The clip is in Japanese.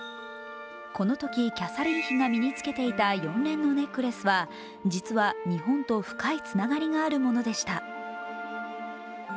このときキャサリン妃が身につけていた４連のネックレスは、実は日本と深いつながりがあるものでした。